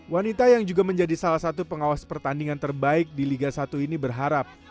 wanita yang juga menjadi salah satu pengawas pertandingan terbaik di liga satu ini berharap